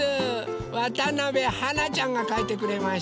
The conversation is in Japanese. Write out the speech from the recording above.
わたなべはなちゃんがかいてくれました。